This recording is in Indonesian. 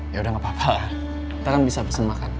yaudah gapapa nanti kan bisa pesen makan